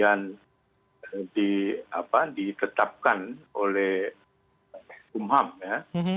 jadi begini pemberian remisi yang kemudian diketapkan oleh p pressure kamu